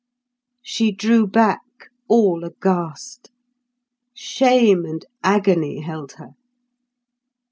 She drew back, all aghast. Shame and agony held her.